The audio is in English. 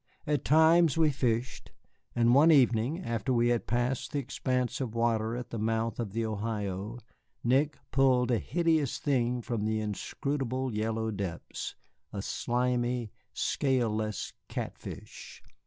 At times we fished, and one evening, after we had passed the expanse of water at the mouth of the Ohio, Nick pulled a hideous thing from the inscrutable yellow depths, a slimy, scaleless catfish.